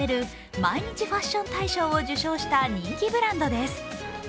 毎日ファッション大賞を受賞した人気ブランドです。